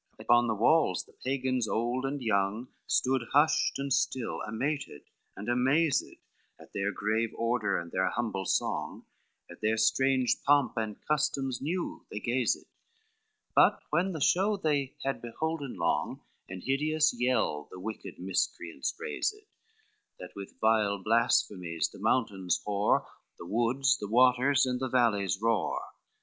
XII Upon the walls the Pagans old and young Stood hushed and still, amated and amazed, At their grave order and their humble song, At their strange pomp and customs new they gazed: But when the show they had beholden long, An hideous yell the wicked miscreants raised, That with vile blasphemies the mountain hoar, The woods, the waters, and the valleys roar.